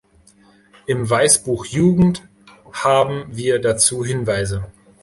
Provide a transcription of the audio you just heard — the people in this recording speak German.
Im Weißbuch Jugend haben wir dazu Hinweise.